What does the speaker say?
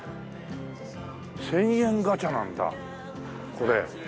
「１０００円ガチャ」なんだこれ。